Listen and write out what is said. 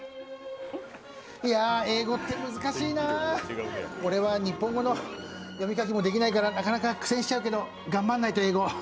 いやぁ、英語って難しいなあ俺は日本語の読み書きもできないからなかなか苦戦しちゃうから頑張らないと、英語。